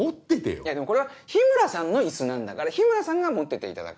いやでもこれは日村さんのイスなんだから日村さんが持ってていただかないと。